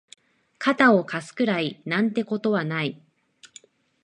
肩を貸すくらいなんてことはない